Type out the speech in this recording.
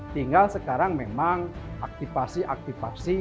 tinggal sekarang memang aktifasi aktifasi